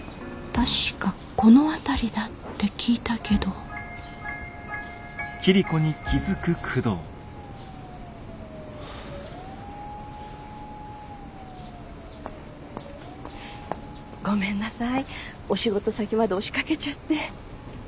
確かこの辺りだって聞いたけどごめんなさいお仕事先まで押しかけちゃって。